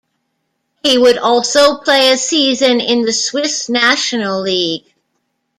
He would also play a season in the Swiss National League.